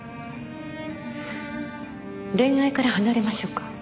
恋愛から離れましょうか。